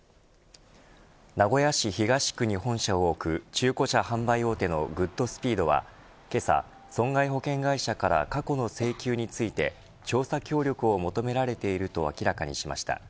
名古屋市東区に本社を置く中古車販売大手のグッドスピードはけさ損害保険会社から過去の請求について調査協力を求められていると明らかにしました。